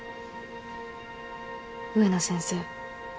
植野先生。